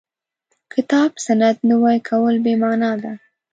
کتاب سنت نوي کول بې معنا ده.